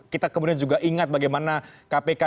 kita kemudian juga ingat bagaimana kpk